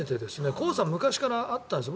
黄砂、昔からあったんですよ。